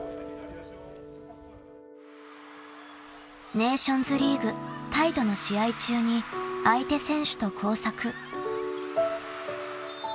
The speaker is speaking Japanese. ［ネーションズリーグタイとの試合中に相手選手と交錯］